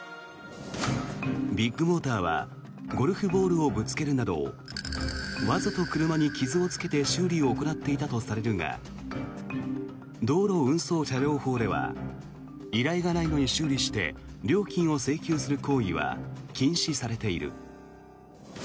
ビッグモーターはゴルフボールをぶつけるなどわざと車に傷をつけて修理を行っていたとされるが道路運送車両法では依頼がないのに修理して料金を請求する行為は禁止されている。